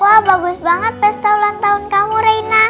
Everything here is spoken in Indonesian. wah bagus banget pesta ulang tahun kamu reina